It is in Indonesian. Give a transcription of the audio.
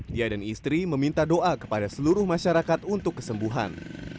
dia dan istri meminta doa kepada seluruh masyarakat untuk kesembuhan